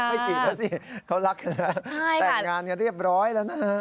จีบแล้วสิเขารักกันแล้วแต่งงานกันเรียบร้อยแล้วนะฮะ